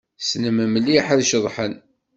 Ssnen mliḥ ad ceḍḥen.